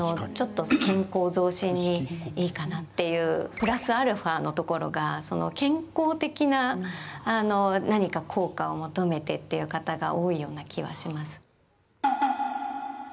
プラスアルファのところが健康的な効果を求めてという方が多いような気がします。